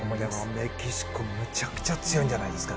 メキシコ、めちゃくちゃ強いんじゃないですか。